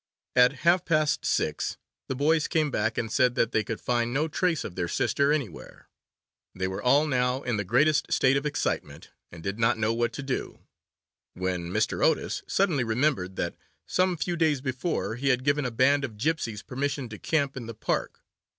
At half past six the boys came back and said that they could find no trace of their sister anywhere. They were all now in the greatest state of excitement, and did not know what to do, when Mr. Otis suddenly remembered that, some few days before, he had given a band of gypsies permission to camp in the park.